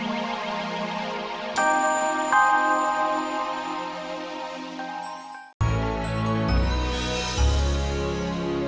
ada orang di dalam